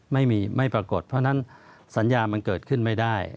ไม่ปรากฏเพราะฉะนั้นสัญญามันเกิดขึ้นไม่ได้